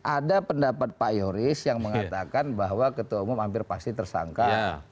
ada pendapat pak yoris yang mengatakan bahwa ketua umum hampir pasti tersangka